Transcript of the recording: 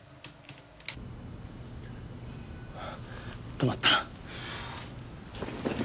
止まった。